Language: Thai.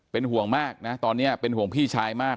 เป็นห่วงมากนะตอนนี้เป็นห่วงพี่ชายมาก